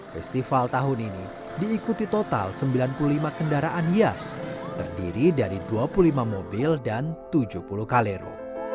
festival tahun ini diikuti total sembilan puluh lima kendaraan hias terdiri dari dua puluh lima mobil dan tujuh puluh kalero